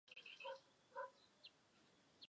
辽中京遗址位于内蒙古自治区赤峰市宁城县。